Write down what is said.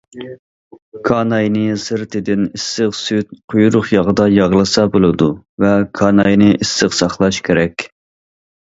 كاناينى سىرتىدىن ئىسسىق سۈت، قۇيرۇق ياغدا ياغلىسا بولىدۇ ۋە كاناينى ئىسسىق ساقلاش كېرەك.